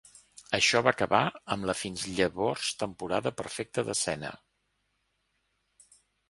Això va acabar amb la fins llavor temporada perfecta de Senna.